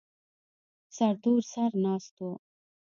سرتور سر ناست و.